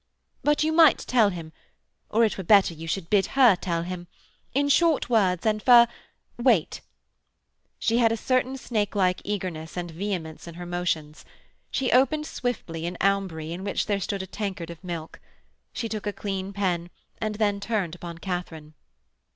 But you might tell him; or it were better you should bid her tell him.... In short words, and fur ... wait.' She had a certain snake like eagerness and vehemence in her motions. She opened swiftly an aumbry in which there stood a tankard of milk. She took a clean pen, and then turned upon Katharine.